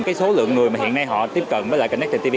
cái số lượng người mà hiện nay họ tiếp cận với lại connected tv